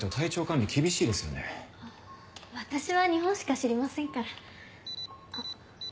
私は日本しか知りませんから。